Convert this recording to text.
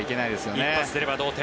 一発出れば同点。